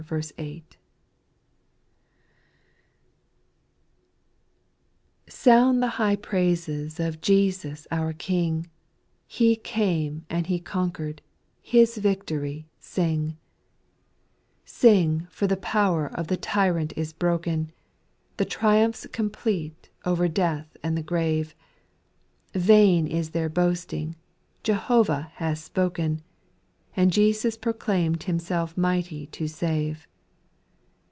1. Q OUND the high praises of Jesus our King, O He came and He conquered — His victory sing; Sing, for the power of the tyrant is broken, The triumph's complete over death and the grave : Vain is their boasting, Jehovah hath spoken : And Jesus proclaimed Himself mighty to save.